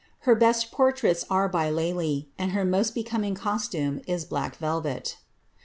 Her best portraits are by Lely, and her most becoming costume is black velvet.